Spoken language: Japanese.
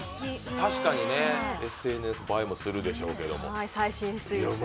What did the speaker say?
たしかにね、ＳＮＳ映えもするでしょう。